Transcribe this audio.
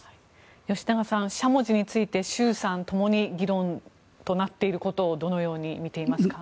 吉永さん、しゃもじについて衆参とも議論になっていることについてどのように見ていますか。